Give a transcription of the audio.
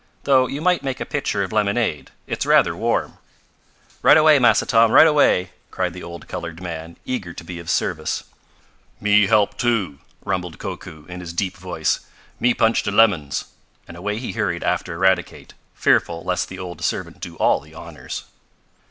"Though you might make a pitcher of lemonade. It's rather warm." "Right away, Massa Tom! Right away!" cried the old colored man, eager to be of service. "Me help, too!" rumbled Koku, in his deep voice. "Me punch de lemons!" and away he hurried after Eradicate, fearful lest the old servant do all the honors.